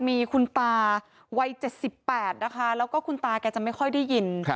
มีคุณตาวัย๗๘นะคะแล้วก็คุณตาแกจะไม่ค่อยได้ยิน